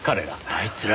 あいつら！